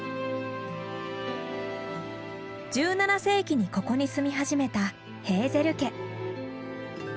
１７世紀にここに住み始めたヘーゼル家。